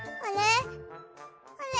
あれ？